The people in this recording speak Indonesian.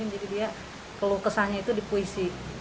jadi dia kelukesannya itu di puisi